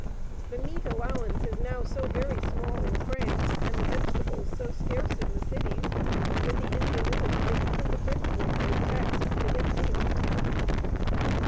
The meat allowance is now so very small in France and the vegetables so scarce in the cities, that the ingenuity of even the French woman is taxed to get a meal.